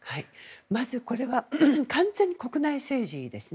まずこれは完全に国内政治ですね。